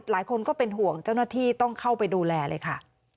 หลายคนก็เป็นห่วงเจ้าหน้าที่ต้องเข้าไปดูแลเลยค่ะ